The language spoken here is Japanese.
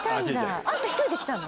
あんた１人で来たの？